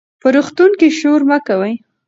په روغتون کې شور مه کوئ.